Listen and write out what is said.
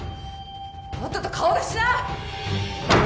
とっとと顔出しな！